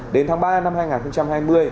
đến tháng ba năm hai nghìn hai mươi